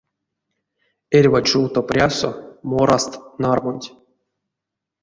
Эрьва чувто прясо мораст нармунть.